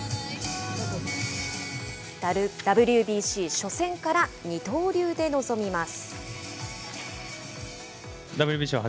ＷＢＣ初戦から二刀流で臨みます。